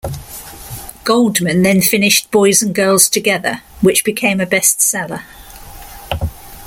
Goldman then finished "Boys and Girls Together" which became a best seller.